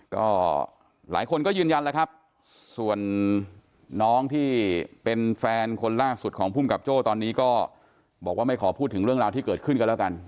ก็หลายคนก็ยืนยันแล้วครับส่วนน้องที่เป็นแฟนคนล่าสุดของภูมิกับโจ้ตอนนี้ก็บอกว่าไม่ขอพูดถึงเรื่องราวที่เกิดขึ้นกันแล้วกัน